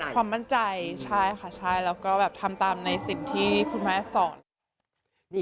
ความมั่นใจใช่ค่ะใช่แล้วก็แบบทำตามในสิ่งที่คุณแม่สอน